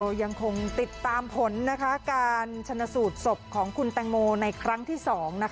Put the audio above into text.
ยังคงติดตามผลการชนสูตรศพของคุณแตงโมในครั้งที่๒